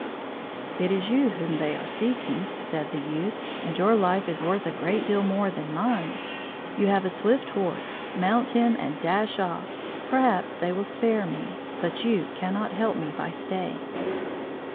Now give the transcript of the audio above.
"It is you whom they are seeking," said the youth, "and your life is worth a great deal more than mine; you have a swift horse; mount him and dash off; perhaps they will spare me, but you cannot help me by staying."